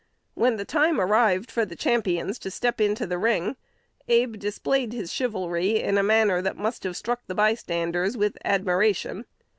When the time arrived for the champions to step into the ring, Abe displayed his chivalry in a manner that must have struck the bystanders with admiration.